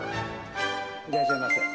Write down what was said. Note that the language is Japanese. いらっしゃいませ。